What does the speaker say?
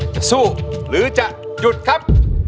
จะสู้หรือจะหยุดครับ